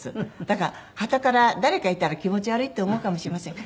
だからはたから誰かいたら気持ち悪いって思うかもしれません。